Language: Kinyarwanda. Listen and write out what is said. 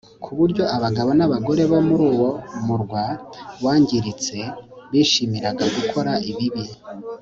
ku buryo abagabo n'abagore bo muri uwo murwa wangiritse bishimiraga gukora ibibi